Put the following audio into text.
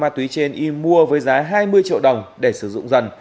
ma túy trên y mua với giá hai mươi triệu đồng để sử dụng dần